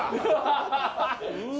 うわ。